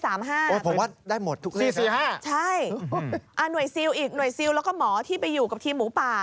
เพราะผมว่าได้หมดทุกเลข๔๔๕ใช่อ่ะหน่วยซิลอีกหน่วยซิลแล้วก็หมอที่ไปอยู่กับทีมหมูป่า